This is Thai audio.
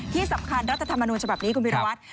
ที่สำคัญรัฐธรรมนูญฉบับนี้คุณวิรวัตร